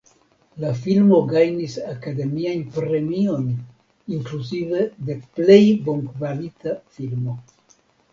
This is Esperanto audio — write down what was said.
La filmo gajnis Akademiajn Premiojn inkluzive de Plej Bonkvalita Filmo.